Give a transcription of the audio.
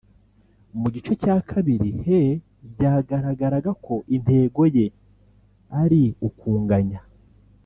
Mu gice cya kabiri Hey byagaragaraga ko intego ye ari ukunganya